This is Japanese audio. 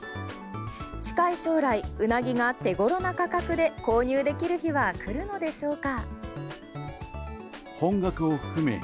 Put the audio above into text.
近い将来、ウナギが手頃な価格で購入できる日は来るのでしょうか？